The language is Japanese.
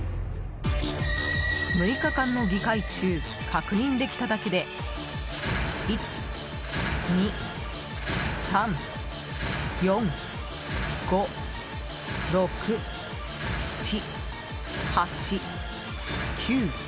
６日間の議会中確認できただけで１、２、３、４、５６、７、８、９。